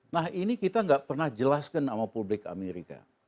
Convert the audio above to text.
nah ini kita nggak pernah jelaskan sama publik amerika